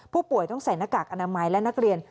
ผู้ป่วยต้องใส่หน้ากากอนามัยและนักเรียน